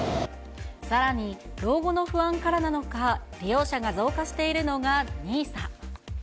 さらに老後の不安からなのか、利用者が増加しているのがＮＩＳＡ。